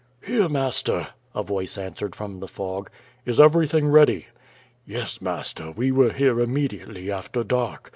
7Iere, master," a voice answered from the fog. "Is everything ready?" 'Yes, master, we were here immediately after dark.